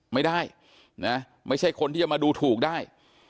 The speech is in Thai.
ไม่ได้นะไม่ใช่คนที่จะมาดูถูกได้